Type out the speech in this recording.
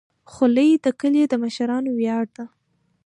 خولۍ د کلي د مشرانو ویاړ ده.